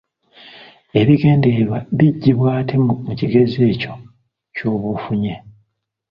Ebigendererwa biggibwa ate mu kigezeso ekyo ky’oba ofunye.